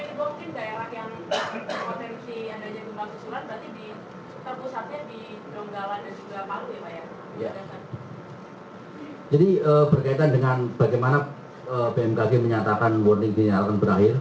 iya jadi berkaitan dengan bagaimana bmkg menyatakan warning di daerah yang berakhir